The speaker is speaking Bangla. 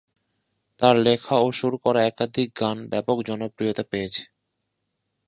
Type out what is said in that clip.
তার লেখা ও সুর করা একাধিক গান ব্যাপক জনপ্রিয়তা পেয়েছে।